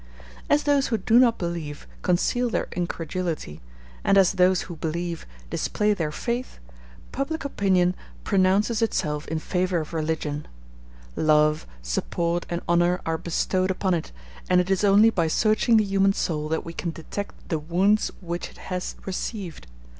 As those who do not believe, conceal their incredulity; and as those who believe, display their faith, public opinion pronounces itself in favor of religion: love, support, and honor are bestowed upon it, and it is only by searching the human soul that we can detect the wounds which it has received.